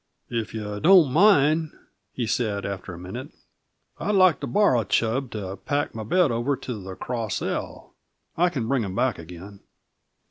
"If you don't mind," he said, after a minute, "I'd like to borrow Chub to pack my bed over to the Cross L. I can bring him back again."